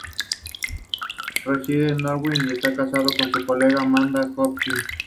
Reside en Norwich y está casado con su colega Amanda Hopkinson.